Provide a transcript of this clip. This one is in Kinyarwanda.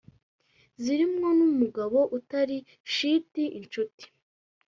ziri mwo umugabo utari shiti insuti